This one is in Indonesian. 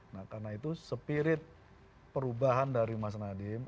nah karena itu spirit perubahan dari mas nadiem